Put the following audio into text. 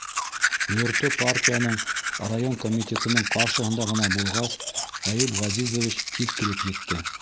Йорто партияның район комитетының ҡаршыһында ғына булғас, Әйүп Ғәзизович тиҙ килеп етте.